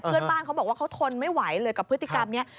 เพื่อนบ้านเขาบอกว่าเขาทนไม่ไหวเลยกับพฤติกรรมนี้